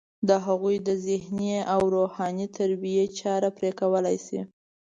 د هغوی د ذهني او روحاني تربیې چاره پرې کولی شي.